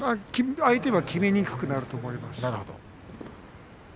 相手がきめにくくなると思います。